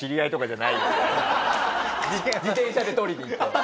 自転車で取りに行って。